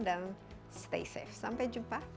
stay safe sampai jumpa